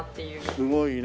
すごいね。